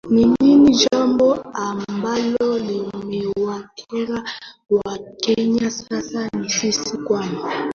ni ni ni jambo ambalo limewakera wakenya sana na sisi kama